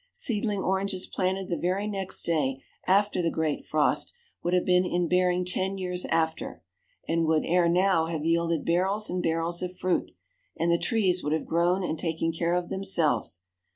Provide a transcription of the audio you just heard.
Seedling oranges planted the very next day after the great frost would have been in bearing ten years after, and would, ere now, have yielded barrels and barrels of fruit; and the trees would have grown and taken care of themselves.